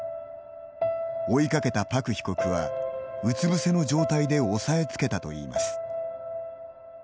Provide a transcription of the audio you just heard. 追いかけた朴被告は、うつぶせの状態で押さえつけたといいます。